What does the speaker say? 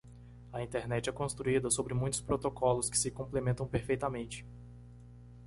A Internet é construída sobre muitos protocolos que se complementam perfeitamente.